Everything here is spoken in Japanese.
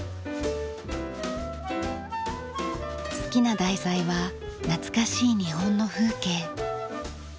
好きな題材は懐かしい日本の風景。